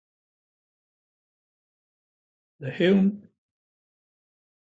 The hymn tune "Bickford" was composed by Beebe.